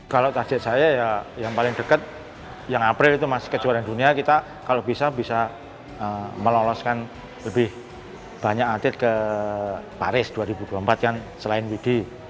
kalau target saya ya yang paling dekat yang april itu masih kejuaraan dunia kita kalau bisa bisa meloloskan lebih banyak atlet ke paris dua ribu dua puluh empat kan selain widhi